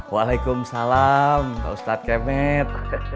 wa'alaikumussalam pak ustadz kemet